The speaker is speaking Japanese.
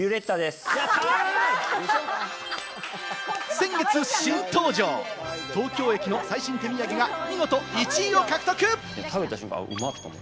先月、新登場、東京駅の最新手土産が見事１位を獲得！